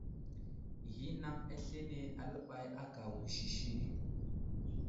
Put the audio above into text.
Ghinaŋ aslane aləbay aka wusisi.